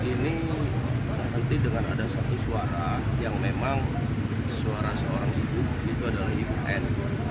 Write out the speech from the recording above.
ini nanti dengan ada satu suara yang memang suara seorang ibu itu adalah ibu n